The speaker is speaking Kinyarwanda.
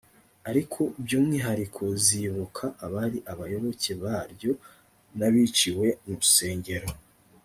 ariko by’umwihariko zibuka abari abayoboke baryo n’abiciwe mu nsengero